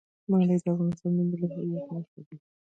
منی د افغانستان د ملي هویت نښه ده.